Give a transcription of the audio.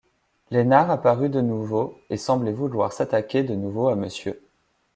Lesnar apparut de nouveau et semblait vouloir s'attaquer à nouveau à Mr.